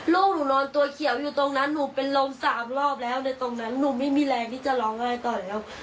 ลูกหนูนอนตัวเขียวอยู่ตรงนั้นหนูเป็นลมสามรอบแล้วในตรงนั้นหนูไม่มีแรงที่จะร้องไห้ต่อแล้ว